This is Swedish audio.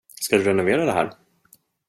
Ska du renovera det här?